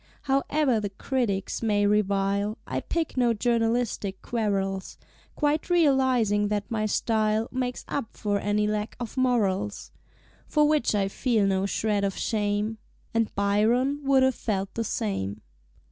Howe'er the Critics may revile, I pick no journalistic quarrels, Quite realizing that my Style Makes up for any lack of Morals; For which I feel no shred of shame (And Byron would have felt the same).